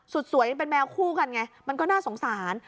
สวยมันเป็นแมวคู่กันไงมันก็น่าสงสาร